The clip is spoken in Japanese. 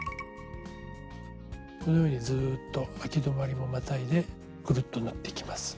このようにずっとあき止まりもまたいでグルッと縫っていきます。